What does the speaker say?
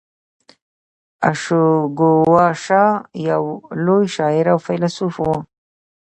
اشواګوشا یو لوی شاعر او فیلسوف و